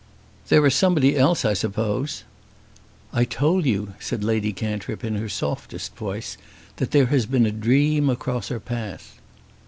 "There is somebody else I suppose." "I told you," said Lady Cantrip, in her softest voice, "that there has been a dream across her path."